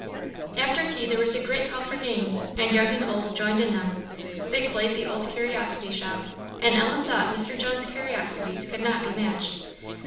After tea there was a great call for games, and young and old joined in them. They played the Old Curiosity Shop; and Ellen thought Mr. John's curiosities could not be matched.